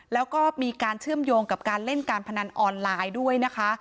แล้วก็มีการเชื่อมโยงกับการเล่นการพนันออนไลน์ด้วยนะคะ